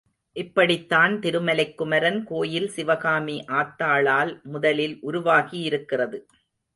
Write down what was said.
இப்படித்தான் திருமலைக் குமரன் கோயில் சிவகாமி ஆத்தாளால் முதலில் உருவாகியிருக்கிறது.